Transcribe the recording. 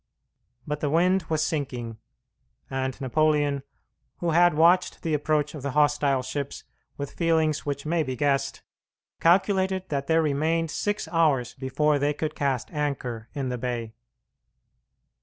But the wind was sinking, and Napoleon, who had watched the approach of the hostile ships with feelings which may be guessed, calculated that there remained six hours before they could cast anchor in the bay.